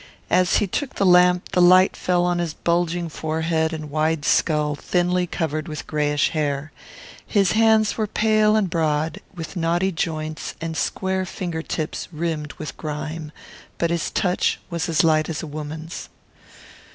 As he took the lamp, the light fell on his bulging forehead and wide skull thinly covered with grayish hair. His hands were pale and broad, with knotty joints and square finger tips rimmed with grime; but his touch was as light as a woman's.